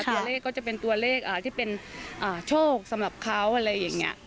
ตัวเลขก็จะเป็นตัวเลขที่เป็นโชคสำหรับเขาอะไรอย่างนี้